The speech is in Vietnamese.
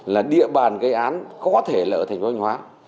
là địa bàn gây án có thể là ở thành phố thanh hóa